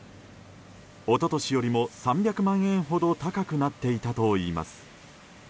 一昨年よりも３００万円ほど高くなっていたといいます。